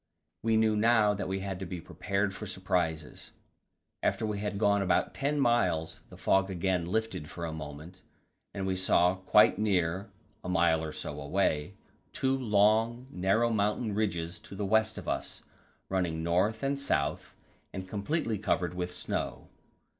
We knew now that we had to be prepared for surprises. After we had gone about ten miles the fog again lifted for a moment, and we saw quite near a mile or so away two long, narrow mountain ridges to the west of us, running north and south, and completely covered with snow.